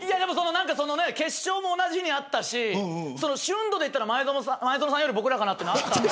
何か決勝も同じ日にあったし旬度でいったら前園さんより僕らかなと。